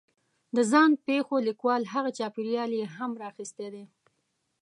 د ځان پېښو لیکوال هغه چاپېریال یې هم را اخستی دی